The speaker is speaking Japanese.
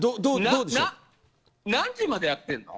何時までやってるの。